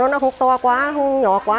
nó không to quá không nhỏ quá